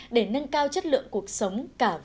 để nâng cao chất lượng cuộc sống